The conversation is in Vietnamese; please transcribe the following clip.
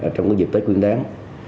trong cái dịp tết nguyên đáng